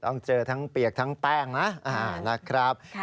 ต้องเจอทั้งเปียกทั้งแป้งนะนะครับ